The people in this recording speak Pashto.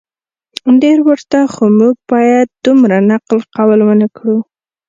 ډیر ورته خو موږ باید دومره نقل قول ونه کړو